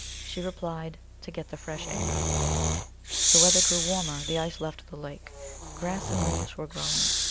She replied, "To get the fresh air." The weather grew warmer; the ice left the lake; grass and leaves were growing.